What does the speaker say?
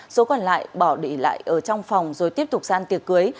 số còn lại bỏ để lại ở trong phòng rồi tiếp tục san tiệc cưới